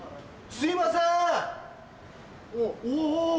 すいません